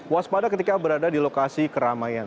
waspada ketika berada di lokasi keramaian